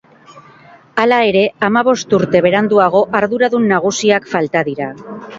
Hala ere hamabost urte beranduago arduradun nagusiak falta dira.